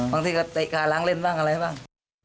บางทีก็เตะขาล้างเล่นบ้างอะไรบ้าง